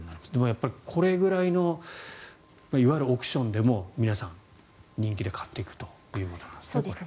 やっぱりこれぐらいのいわゆる億ションでも皆さん、人気で買っていくということですね。